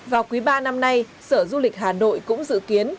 vào quý ba năm nay sở du lịch hà nội cũng dự kiến